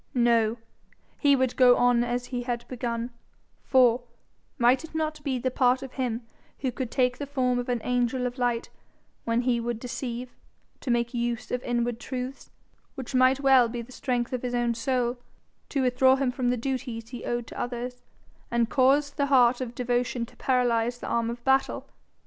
No; he would go on as he had begun; for, might it not be the part of him who could take the form of an angel of light when he would deceive, to make use of inward truths, which might well be the strength of his own soul, to withdraw him from the duties he owed to others, and cause the heart of devotion to paralyze the arm of battle?